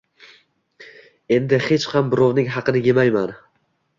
Endi hech ham birovning haqini yemayman